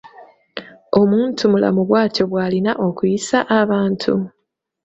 Omuntumulamu bw'atyo bw’alina okuyisa abantu?